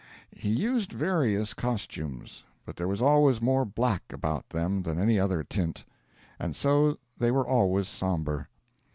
He used various costumes: but there was always more black about them than any other tint; and so they were always sombre.